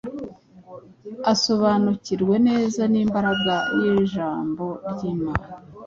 asobanukirwe neza n’imbaraga y’ijambo ry’Imana.